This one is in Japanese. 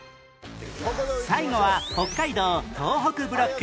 最後は北海道・東北ブロック